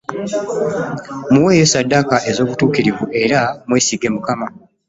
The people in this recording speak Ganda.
Muweeyo ssadaaka ezobutukiriivu era mwesige Mukama.